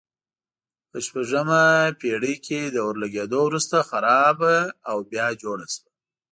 په شپږمه پېړۍ کې د اور لګېدو وروسته خرابه او بیا جوړه شوه.